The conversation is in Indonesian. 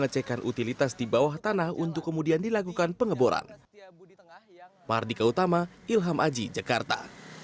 saya lihat bapak mau belok ke kiri